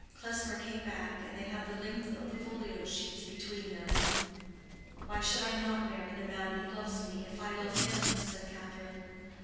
Klesmer came back, and they had the length of the folio sheets between them. "Why should I not marry the man who loves me, if I love him?" said Catherine.